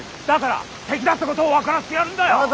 だから敵だってことを分からせてやるんだよ。